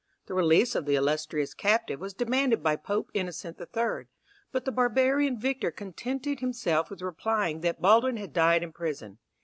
The release of the illustrious captive was demanded by Pope Innocent the Third, but the barbarian victor contented himself with replying that Baldwin had died in prison.